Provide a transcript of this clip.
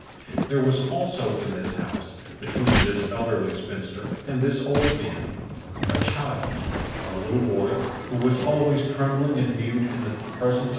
There was also in this house, between this elderly spinster and this old man, a child, a little boy, who was always trembling and mute in the presence of M.